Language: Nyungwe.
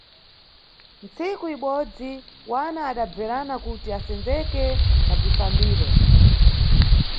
Ntsiku ibodzi, wana adabverana kuti asendzeke na bzifambiro.